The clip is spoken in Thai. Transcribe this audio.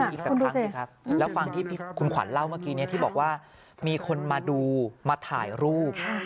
อีกสักครั้งสิครับแล้วฟังที่คุณขวัญเล่าเมื่อกี้นี้ที่บอกว่ามีคนมาดูมาถ่ายรูป